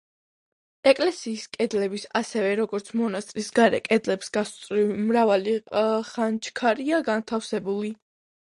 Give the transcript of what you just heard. ეკლესიის კედლების, ისევე, როგორც მონასტრის გარე კედლების გასწვრივ მრავალი ხაჩქარია განთავსებული.